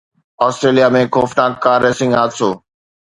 Australia ۾ خوفناڪ car racing حادثو